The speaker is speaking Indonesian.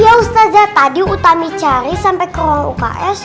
iya ustazah tadi utami cari sampe ke ruang uks